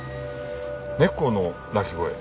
猫の鳴き声？